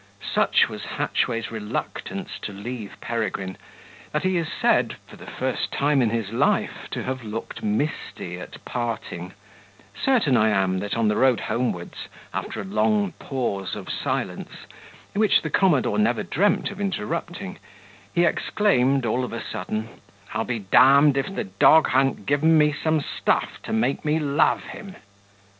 Such was Hatchway's reluctance to leave Peregrine, that he is said, for the first time in his life, to have looked misty at parting: certain I am, that on the road homewards, after a long pause of silence, which the commodore never dreamt of interrupting, he exclaimed all of a sudden, "I'll be d d if the dog ha'nt given me some stuff to make me love him!"